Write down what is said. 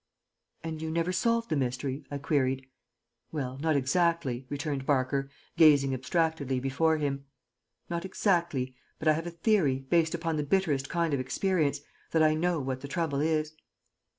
"And you never solved the mystery?" I queried. "Well, not exactly," returned Barker, gazing abstractedly before him. "Not exactly; but I have a theory, based upon the bitterest kind of experience, that I know what the trouble is."